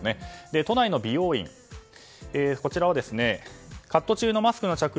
都内の美容院はカット中のマスクの着用